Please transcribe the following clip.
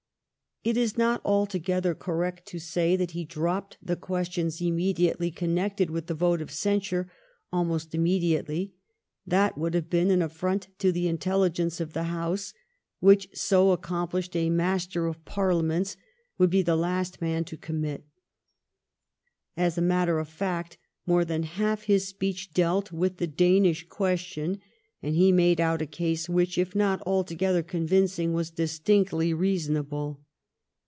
It is not altogether correct to say that he dropped the questions immediately connected with the vote of censure almost immediately, that would have been an affront to the intelligence of the House, which so accomplished a master of Parliaments would be the last man to commit. As a matter of fact, more than half his speech dealt with the Danish question, and he made out a case which, if not altogether convincing, was dis tinctly reasonable.